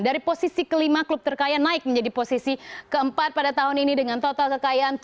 dari posisi kelima klub terkaya naik menjadi posisi keempat pada tahun ini dengan total kekayaan tujuh lima belas triliun rupiah